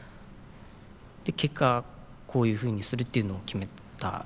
結果こういうふうにするっていうのを決めた。